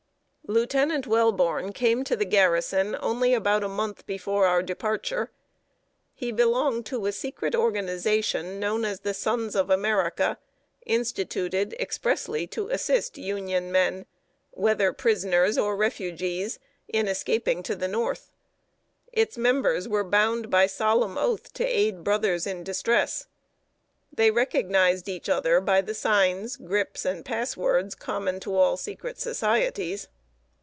Lieutenant Welborn came to the garrison only about a month before our departure. He belonged to a secret organization known as the Sons of America, instituted expressly to assist Union men, whether prisoners or refugees, in escaping to the North. Its members were bound, by solemn oath, to aid brothers in distress. They recognized each other by the signs, grips, and passwords, common to all secret societies.